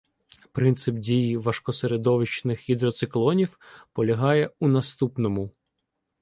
Принцип дії важкосередовищних гідроциклонів полягає у наступному.